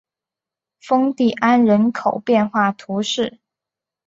丰蒂安人口变化图示